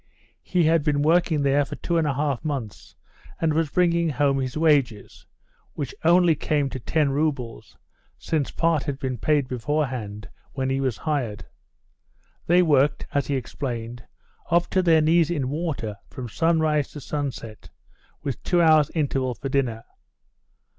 He had been working there for two and a half months, and was bringing home his wages, which only came to 10 roubles, since part had been paid beforehand when he was hired. They worked, as he explained, up to their knees in water from sunrise to sunset, with two hours' interval for dinner.